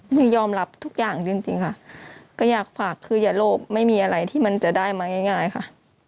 ยอมรับทุกอย่างจริงค่ะก็อยากฝากคืออย่าโลภไม่มีอะไรที่มันจะได้มาง่ายค่ะ